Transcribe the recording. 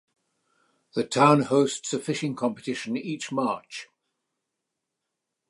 The town hosts a fishing competition each March.